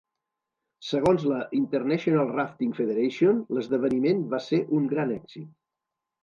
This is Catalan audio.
Segons la International Rafting Federation, l"esdeveniment va ser un gran èxit.